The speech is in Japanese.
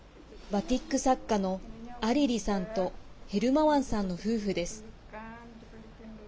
バティック作家のアリリさんとヘルマワンさんの夫婦です。